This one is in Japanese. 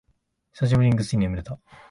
久しぶりにぐっすり眠れた